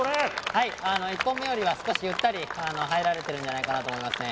はい１本目よりは少しゆったり入られてるんじゃないかなと思いますね